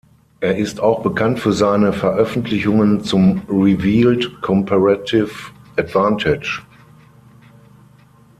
Er ist auch bekannt für seine Veröffentlichungen zum Revealed Comparative Advantage.